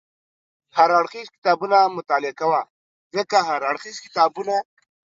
هر اړخیز کتابونه مطالعه کوه، ځکه هر اړخیز کتابونه